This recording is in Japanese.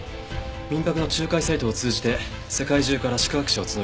民泊の仲介サイトを通じて世界中から宿泊者を募るんです。